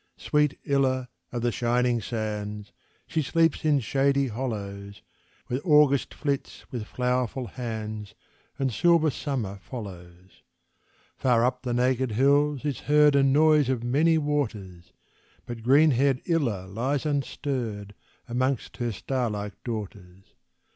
Sweet Illa of the shining sands, She sleeps in shady hollows, Where August flits with flowerful hands, And silver Summer follows. Far up the naked hills is heard A noise of many waters, But green haired Illa lies unstirred Amongst her star like daughters.